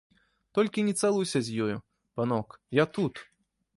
Толькі не цалуйся з ёю, панок, я тут.